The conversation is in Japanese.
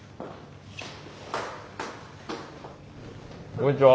こんにちは。